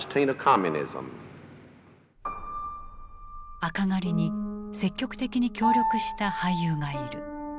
赤狩りに積極的に協力した俳優がいる。